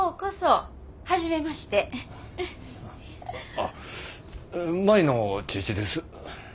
あっ舞の父です。